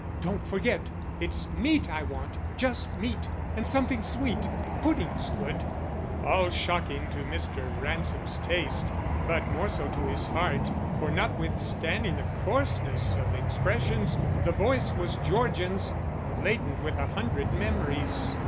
Don't forget; it's meat I want, just meat and something sweet. Pudding's good." All shocking to Mr. Ransom's taste, but more so to his heart. For notwithstanding the coarseness of the expressions, the voice was Georgian's and laden with a hundred memories.